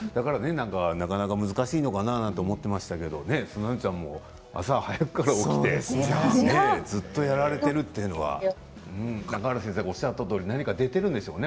なかなか難しいんじゃないかと思いましたけれどスザンヌちゃんも朝早くから起きてずーっとやられているというのは中原先生がおっしゃったように何か出ているんでしょうね